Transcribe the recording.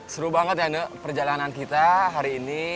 seru banget ya perjalanan kita hari ini